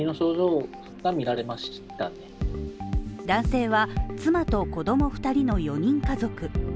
男性は妻と子供２人の４人家族。